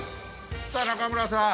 さあ中村さん。